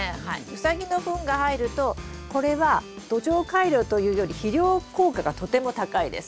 ウサギのふんが入るとこれは土壌改良というより肥料効果がとても高いです。